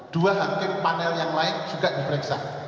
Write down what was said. dua hakim panel yang lain juga diperiksa